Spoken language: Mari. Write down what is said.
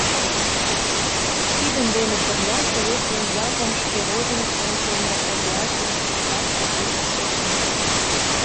Тидын дене пырля совет еҥ-влакын шке Родинышт ончылно обязанностьыштат кугу, священный.